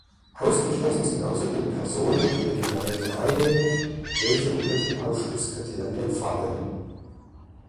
Ausgeschlossen sind außerdem Personen, die Medikamente einnehmen, welche unter die Ausschlusskriterien fallen.